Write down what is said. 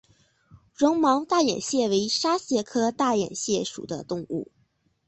绒毛大眼蟹为沙蟹科大眼蟹属的动物。